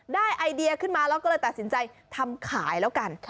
ไอเดียขึ้นมาแล้วก็เลยตัดสินใจทำขายแล้วกัน